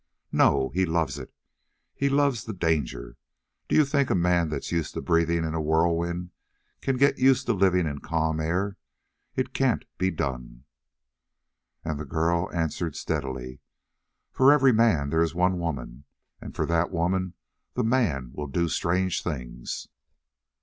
No, he loves it! He loves the danger. D'you think a man that's used to breathing in a whirlwind can get used to living in calm air? It can't be done!" And the girl answered steadily: "For every man there is one woman, and for that woman the man will do strange things."